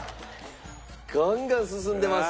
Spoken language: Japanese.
ガンガン進んでます。